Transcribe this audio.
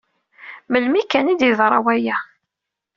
Melmi kan i d-yeḍra waya.